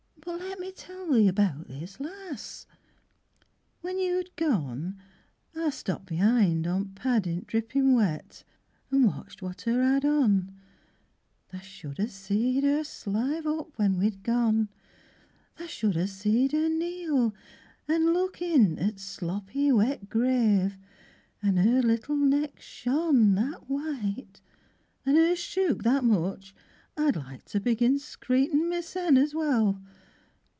But let Me tell thee about this lass. When you had gone Ah stopped behind on t' pad i' th' drippin wet An' watched what 'er 'ad on. Tha should ha' seed her slive up when we'd gone, Tha should ha' seed her kneel an' look in At th' sloppy wet grave an' 'er little neck shone That white, an' 'er shook that much, I'd like to begin Scraïghtin' my sen as well.